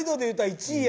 １位。